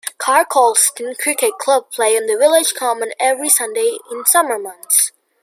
Car Colston Cricket Club play on the village common every Sunday in summer months.